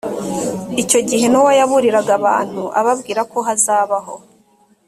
icyo gihe nowa yaburiraga abantu ababwira ko hazabaho